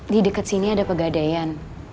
di dekat sini ada pegadaian